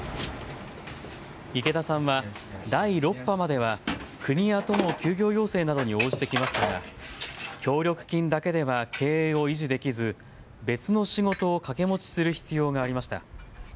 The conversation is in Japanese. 池田さんは第６波までは国や都の休業要請などに応じてきましたが協力金だけでは経営を維持できず別の仕事を掛け持ちする必要がありました。